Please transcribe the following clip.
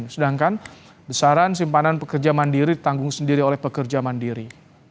sedangkan besaran simpanan pekerja mandiri ditanggung sendiri oleh pekerja mandiri